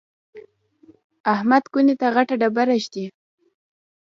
احمد کونې ته غټه ډبره ږدي.